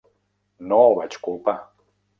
No el vaig culpar.